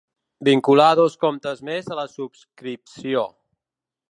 Vincular dos comptes més a la subscripció.